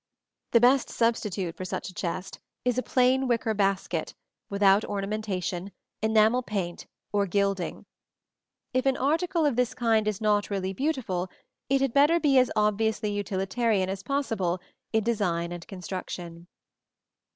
The best substitute for such a chest is a plain wicker basket, without ornamentation, enamel paint or gilding. If an article of this kind is not really beautiful, it had better be as obviously utilitarian as possible in design and construction.